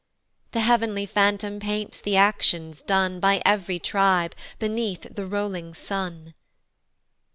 The heav'nly phantom paints the actions done By ev'ry tribe beneath the rolling sun.